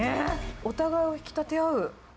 お互いを引き立て合う。